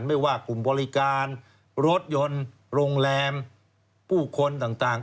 ไม่ว่ากลุ่มบริการรถยนต์โรงแรมผู้คนต่าง